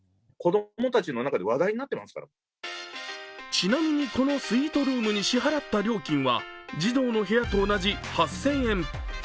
ちなみにこのスイートルームに支払った料金は児童の部屋と同じ８０００円。